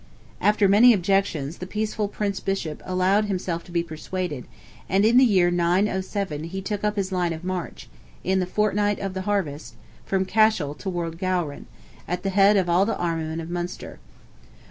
After many objections, the peaceful Prince Bishop allowed himself to be persuaded, and in the year 907 he took up his line of march, "in the fortnight of the harvest," from Cashel toward Gowran, at the head of all the armament of Munster.